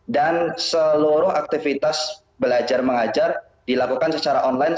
dan seluruh aktivitas belajar mengajar dilakukan secara online